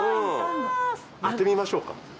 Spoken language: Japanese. やってみましょうか？